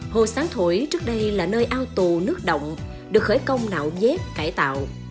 hồ sáng thổi trước đây là nơi ao tù nước động được khởi công nạo vét cải tạo